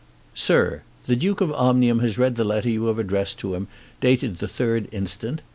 SIR, The Duke of Omnium has read the letter you have addressed to him, dated the 3rd instant.